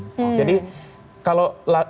jadi kalau lo mau nonton kalian harus nonton dulu ya oke